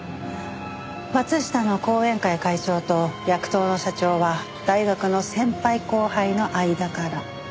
松下の後援会会長とヤクトーの社長は大学の先輩後輩の間柄。